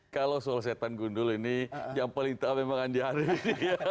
kalau soal setan gundul ini yang paling tahu memang andi arief